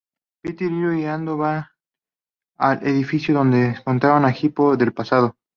Peter, Hiro y Ando van al edificio donde esconden a Hiro del pasado.